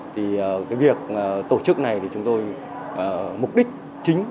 thì cái việc tổ chức này thì chúng tôi mục đích chính